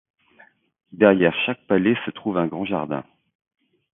Derrière chaque palais se trouve un grand jardin.